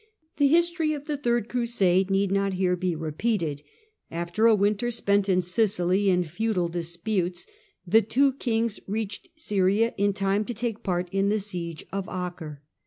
The history of the Third Crusade need not here be repeated. (See Chap. XIV.) After a winter spent in Sicily in futile disputes, the two kings reached Syria in time to take part in the siege of Acre.